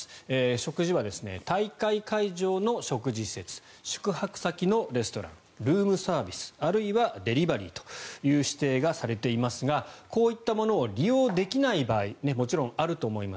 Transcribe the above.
食事は大会会場の食事施設宿泊先のレストランルームサービスあるいはデリバリーという指定がされていますがこういったものを利用できない場合もちろんあると思います